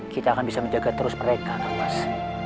kita akan bisa menjaga terus mereka kan mas